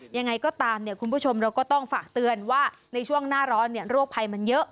ยังไงก็ตามคุณผู้ชมเราก็ต้องฝากเตือนว่าในช่วงหน้าร้อนโรคภัยมันเยอะ